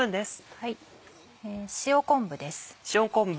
塩昆布です。